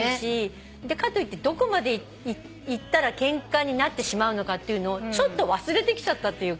かといってどこまでいったらケンカになってしまうのかってのをちょっと忘れてきちゃったっていうか。